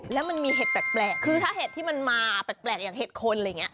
แล้วมันมีเห็ดแปลกคือถ้าเห็ดที่มันมาแปลกอย่างเห็ดคนอะไรอย่างนี้